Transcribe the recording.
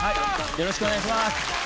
よろしくお願いします。